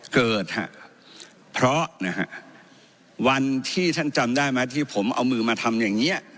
เกิดฮะเพราะนะฮะวันที่ท่านจำได้ไหมที่ผมเอามือมาทำอย่างนี้